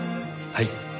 はい。